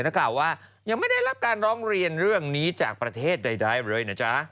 นักข่าวว่ายังไม่ได้รับการร้องเรียนเรื่องนี้จากประเทศใดเลยนะจ๊ะ